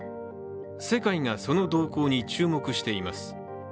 世界がその動向に注目しています。